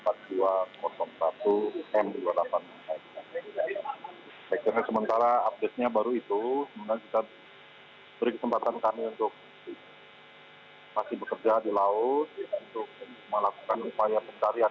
baik karena sementara update nya baru itu kemudian kita beri kesempatan kami untuk masih bekerja di laut untuk melakukan upaya pencarian